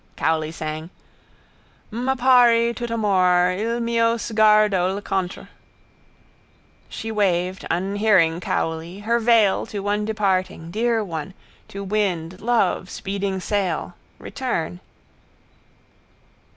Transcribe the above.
Cowley sang: —M'appari tutt'amor: Il mio sguardo l'incontr... She waved, unhearing Cowley, her veil, to one departing, dear one, to wind, love, speeding sail, return.